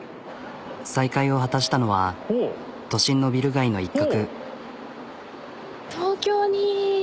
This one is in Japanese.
再会を果たしたのは都心のビル街の一角。